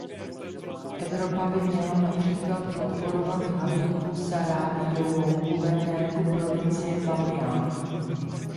Evropa by měla například podporovat Habíbu Sarábíovou, guvernérku provincie Bamján.